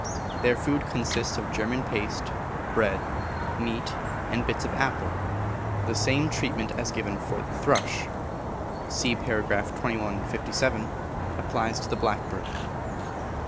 Their food consists of German paste, bread, meat, and bits of apple. The same treatment as given for the thrush (See par. 2456) applies to the blackbird.